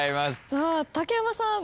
さあ竹山さん。